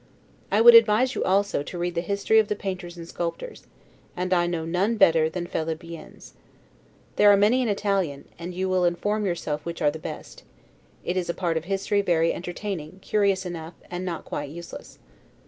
I would advise you also, to read the history of the painters and sculptors, and I know none better than Felibien's. There are many in Italian; you will inform yourself which are the best. It is a part of history very entertaining, curious enough, and not quite useless.